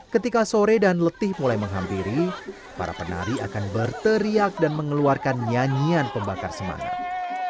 ketika sore dan letih mulai menghampiri para penari akan berteriak dan mengeluarkan nyanyian pembakar semangat